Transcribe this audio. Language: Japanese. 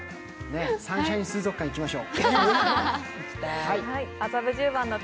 サンシャイン水族館行きましょう。